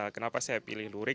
kenapa saya pilih lurik